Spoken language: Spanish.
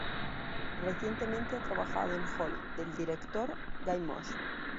Recientemente ha trabajado en "Holly", del director Guy Moshe.